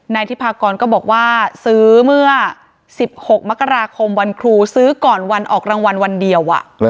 ที่พากรก็บอกว่าซื้อเมื่อ๑๖มกราคมวันครูซื้อก่อนวันออกรางวัลวันเดียว